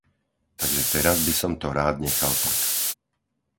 Takže teraz by som to rád nechal tak.